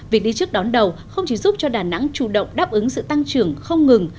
việc đi trước đón đầu không chỉ giúp cho đà nẵng chủ động đáp ứng sự tăng trưởng không ngừng